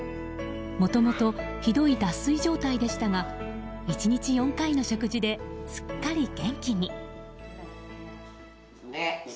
もともとひどい脱水状態でしたが１日４回の食事ですっかり元気に。